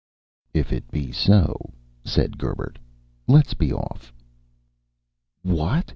"If it be so," said Gerbert, "let's be off!" "What!"